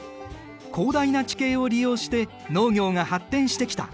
広大な地形を利用して農業が発展してきた。